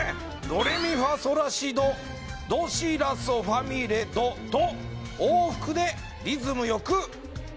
ドレミファソラシドドシラソファミレドと往復でリズムよく吹く。